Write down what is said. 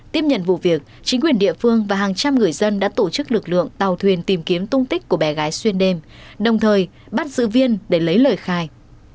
tiếp nhận vụ việc chính quyền địa phương và hàng trăm người dân đã tổ chức lực lượng tàu thuyền tìm kiếm tung tích của bé gái xuyên đêm đồng thời bắt giữ viên để lấy lời khai